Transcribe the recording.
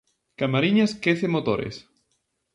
Camariñas quece motores.